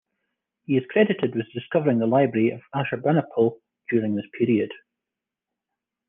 He is credited with discovering the Library of Ashurbanipal during this period.